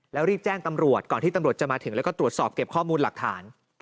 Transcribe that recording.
แล้วรีบแจ้งตำรวจก่อนที่ตำรวจจะมาถึงแล้วก็ตรวจสอบเก็บข้อมูลหลักฐาน